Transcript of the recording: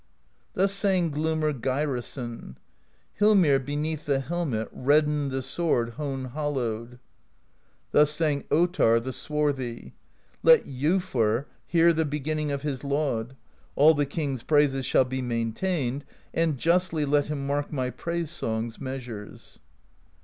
Thus sang Glumr Geirason: Hilmir beneath the helmet Reddened the sword hone hollowed/ Thus sang Ottarr the Swarthy: Let Jofurr hear the beginning Of his laud: all the king's praises Shall be maintained, and justly Let him mark my praise song's measures.